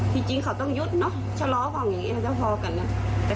แต่เขาบอกชะล้อกันอย่างเงี้ยเขาก็เลยจ้น